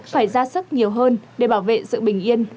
phải ra sức nhiều hơn để bảo vệ sự bình yên